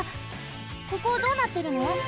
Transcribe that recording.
ここどうなってるの？